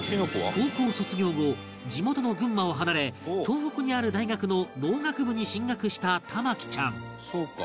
高校卒業後地元の群馬を離れ東北にある大学の農学部に進学した珠生ちゃん